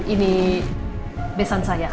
ini besan saya